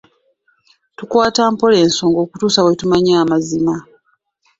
Tukwata mpola ensonga okutuusa lwe tumanya amazima.